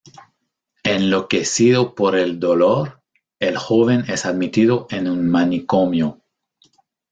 Enloquecido por el dolor, el joven es admitido en un manicomio.